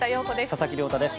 佐々木亮太です。